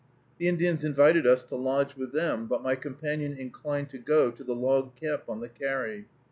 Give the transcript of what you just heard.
The Indians invited us to lodge with them, but my companion inclined to go to the log camp on the carry.